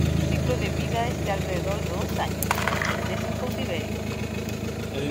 Su ciclo de vida es de alrededor de dos años, hasta tres en cautiverio.